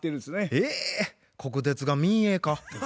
えっ国鉄が民営化？